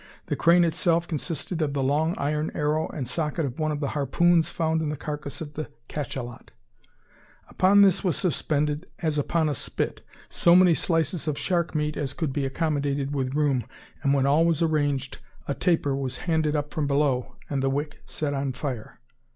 The crane itself consisted of the long iron arrow and socket of one of the harpoons found in the carcass of the cachalot. Upon this was suspended, as upon a spit, so many slices of shark meat as could be accommodated with room, and when all was arranged, a "taper" was handed up from below, and the wick set on fire.